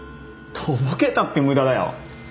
とぼけたって無駄だよ。